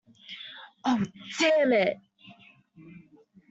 Oh, damn it!